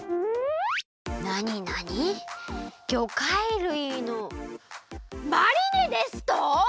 なになにぎょかいるいのマリネですと！？